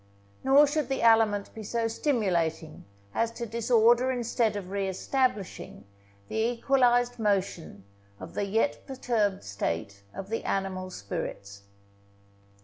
Nor should the aliment be so stimulating as to disorder instead of re establishing the equalized motion of the yet perturbed state of the animal spirits.